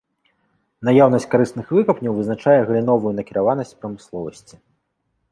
Наяўнасць карысных выкапняў вызначае галіновую накіраванасць прамысловасці.